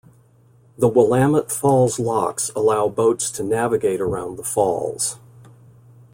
The Willamette Falls Locks allow boats to navigate around the falls.